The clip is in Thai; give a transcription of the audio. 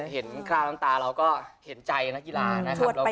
คราวน้ำตาเราก็เห็นใจนักกีฬานะครับ